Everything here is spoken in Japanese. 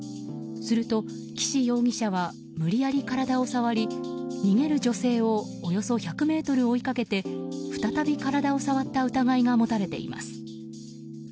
すると、岸容疑者は無理やり体を触り逃げる女性をおよそ１００ｍ追いかけて再び体を触った疑いが持たれています。